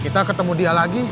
kita ketemu dia lagi